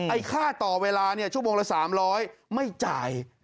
ค่าต่อเวลาเนี่ยชั่วโมงละ๓๐๐ไม่จ่าย